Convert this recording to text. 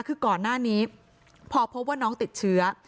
คือก่อนหน้านี้พอพบว่าน้องติดเชื้อ